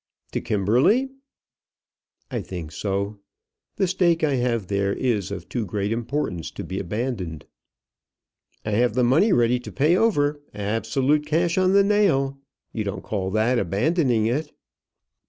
"To Kimberley?" "I think so. The stake I have there is of too great importance to be abandoned." "I have the money ready to pay over; absolute cash on the nail. You don't call that abandoning it?"